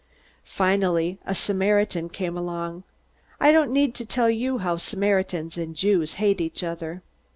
"Finally a Samaritan came along. I don't need to tell you how Samaritans and Jews hate each other!